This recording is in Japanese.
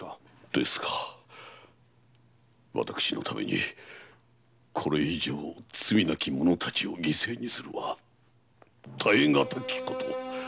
ですが私のためにこれ以上罪なき者たちを犠牲にするは耐え難きこと！